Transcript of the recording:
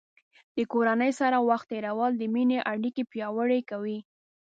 د کورنۍ سره وخت تیرول د مینې اړیکې پیاوړې کوي.